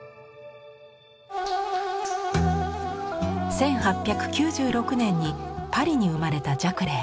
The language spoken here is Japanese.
１８９６年にパリに生まれたジャクレー。